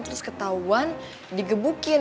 terus ketauan digebukin